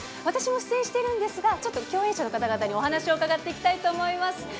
私も出演しているんですがちょっと共演者の方々にお話を伺っていきたいと思います。